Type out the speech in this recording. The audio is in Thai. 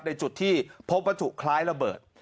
ในจุดที่พบวัตถุคล้ายระเบิด